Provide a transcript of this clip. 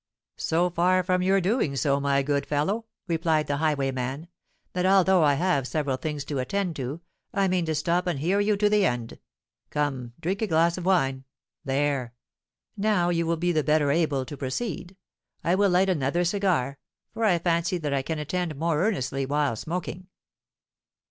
"So far from your doing so, my good fellow," replied the highwayman, "that although I have several things to attend to, I mean to stop and hear you to the end. Come, drink a glass of wine. There! now you will be the better able to proceed. I will light another cigar—for I fancy that I can attend more earnestly while smoking."